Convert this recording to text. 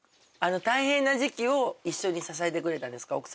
大変な時期を一緒に支えてくれたんですか？